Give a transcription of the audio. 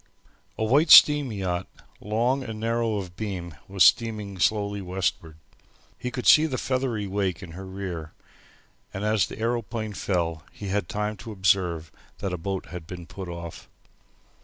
A white steam yacht, long and narrow of beam, was steaming slowly westward. He could see the feathery wake in her rear, and as the aeroplane fell he had time to observe that a boat had been put off.